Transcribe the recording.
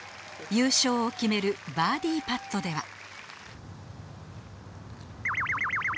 優勝を決めるバーディーパットでは。